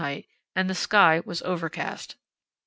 and the sky was overcast.